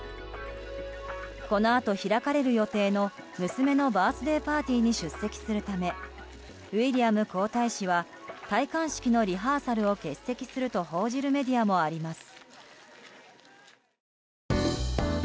このあと開かれる予定の娘のバースデーパーティーに出席するためウィリアム皇太子は戴冠式のリハーサルを欠席すると報じるメディアもあります。